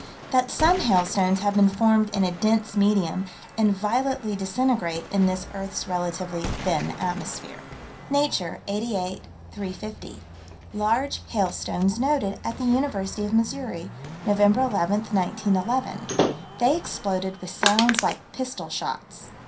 That some hailstones have been formed in a dense medium, and violently disintegrate in this earth's relatively thin atmosphere: Nature, 88 350: Large hailstones noted at the University of Missouri, Nov. 11, 1911: they exploded with sounds like pistol shots.